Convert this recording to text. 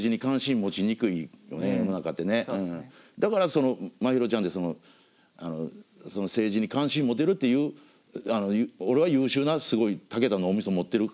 だからまひろちゃんってその政治に関心持てるっていう俺は優秀なすごいたけた脳みそを持ってる子やと思ったね。